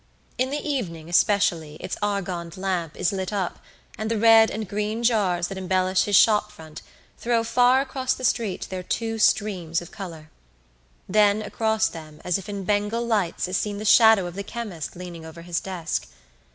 In the evening especially its argand lamp is lit up and the red and green jars that embellish his shop front throw far across the street their two streams of colour; then across them as if in Bengal lights is seen the shadow of the chemist leaning over his desk.